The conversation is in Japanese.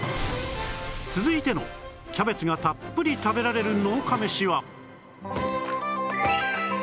続いてのキャベツがたっぷり食べられる農家メシは